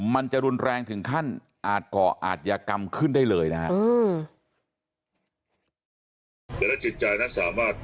มันจะรุนแรงถึงขั้นอาจก่ออาจยากรรมขึ้นได้เลยนะครับ